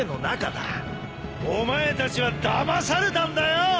お前たちはだまされたんだよ！